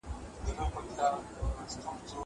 زه کولای سم زدکړه وکړم.